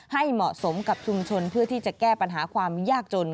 ให้เหมาะสมกับชุมชนเพื่อที่จะแก้ปัญหาความยากจน